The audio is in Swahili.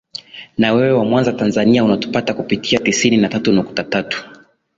na wewe wa mwanza tanzania unatupata kupitia tisini na tatu nukta tatu